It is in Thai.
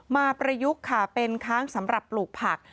ประยุกต์ค่ะเป็นค้างสำหรับปลูกผัก